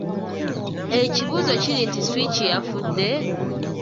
Ekibuuzo kiri nti Switch yafudde?